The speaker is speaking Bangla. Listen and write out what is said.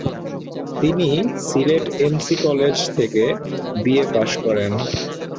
তিনি সিলেট এমসি কলেজ থেকে বিএ পাস করেন।